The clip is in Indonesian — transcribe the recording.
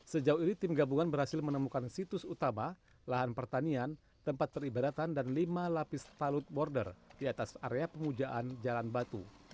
sejauh ini tim gabungan berhasil menemukan situs utama lahan pertanian tempat peribadatan dan lima lapis talut border di atas area pengujaan jalan batu